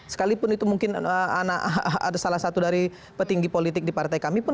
sekalipun itu mungkin anak ada salah satu dari petinggi politik di partai kami pun